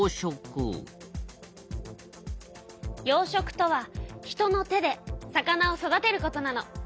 養殖とは人の手で魚を育てることなの。